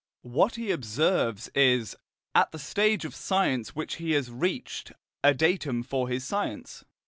What he observes is, at the stage of science which he has reached, a datum for his science.